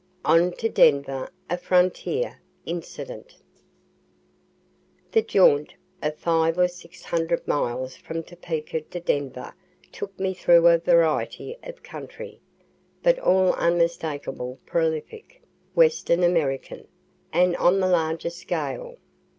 ON TO DENVER A FRONTIER INCIDENT The jaunt of five or six hundred miles from Topeka to Denver took me through a variety of country, but all unmistakably prolific, western, American, and on the largest scale.